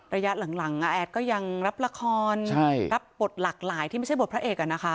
ระยะหลังแอดก็ยังรับละครรับบทหลากหลายที่ไม่ใช่บทพระเอก